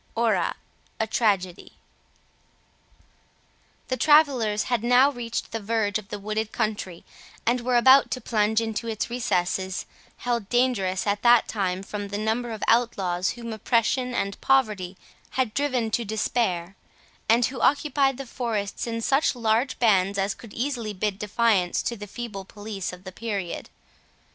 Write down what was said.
ORRA, A TRAGEDY The travellers had now reached the verge of the wooded country, and were about to plunge into its recesses, held dangerous at that time from the number of outlaws whom oppression and poverty had driven to despair, and who occupied the forests in such large bands as could easily bid defiance to the feeble police of the period.